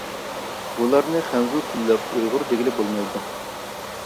بۇلارنى خەنزۇ تىللىق ئۇيغۇر دېگىلى بولمايدۇ.